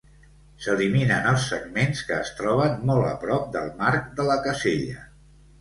S’eliminen els segments que es troben molt a prop del marc de la casella.